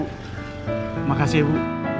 terima kasih bu